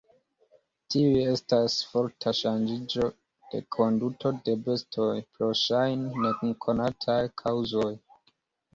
Tiuj estas forta ŝanĝiĝo de konduto de bestoj, pro ŝajne nekonataj kaŭzoj.